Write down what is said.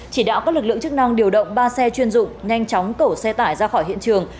chỉ đạo các lực lượng chức năng điều động ba xe chuyên dụng nhanh chóng cẩu xe tải ra khỏi hiện trường